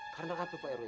karena apa pak herwi